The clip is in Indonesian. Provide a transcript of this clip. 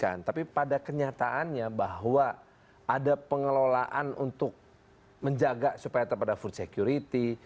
kan tapi pada kenyataannya bahwa ada pengelolaan untuk menjaga supaya robbed food security